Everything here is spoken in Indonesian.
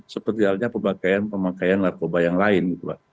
seperti halnya pemakaian pemakaian narkoba yang lain